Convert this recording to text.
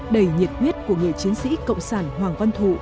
đầy nhiệt huyết của người chiến sĩ cộng sản hoàng văn thụ